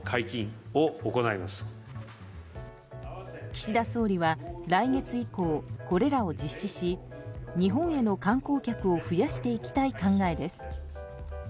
岸田総理は来月以降、これらを実施し日本への観光客を増やしていきたい考えです。